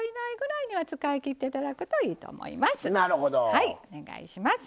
はいお願いします。